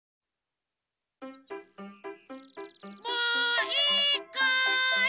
もういいかい？